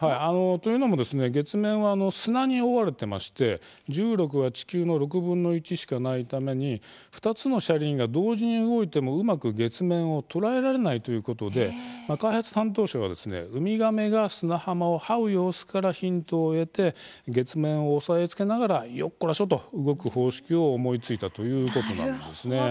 というのも月面は砂に覆われていまして重力は地球の６分の１しかないために２つの車輪が同時に動いてもうまく月面を捉えられないということで開発担当者がウミガメが砂浜をはう様子からヒントを得て月面を押さえつけながらよっこらしょと動く方式を思いついたということなんです。